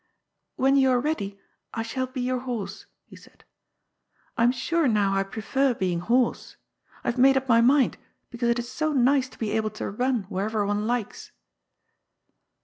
" When you are ready, I shall be your horse," he said ;" I am sure now I prefer being horse. I have made up my mind, because it is so nice to be able to run wherever one likes."